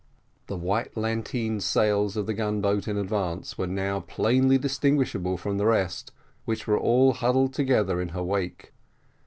The white lateen sails of the gun boat in advance were now plainly distinguishable from the rest, which were all huddled together in her wake.